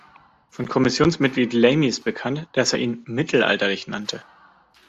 Von Kommissionsmitglied Lamy ist bekannt, dass er ihn "mittelalterlich" nannte.